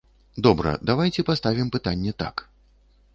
Добра, давайце паставім пытанне так.